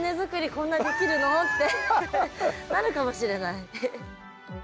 こんなできるの？ってなるかもしれない。